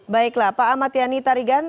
baiklah pak ahmad yani tarigan